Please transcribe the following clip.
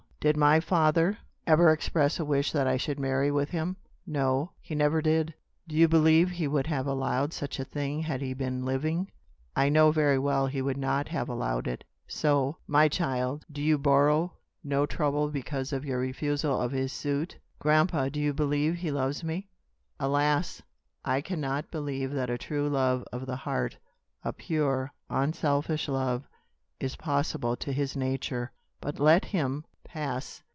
"Did my father ever express a wish that I should marry with him?" "No; he never did." "Do you believe he would have allowed such a thing had he been living?" "I know very well he would not have allowed it. So, my child, do you borrow no trouble because of your refusal of his suit." "Grandpa, do you believe he loves me?" "Alas! I can not believe that a true love of the heart a pure, unselfish love is possible to his nature! But let him pass.